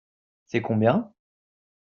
C'est combien ?